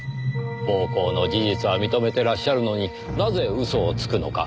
暴行の事実は認めてらっしゃるのになぜ嘘をつくのか。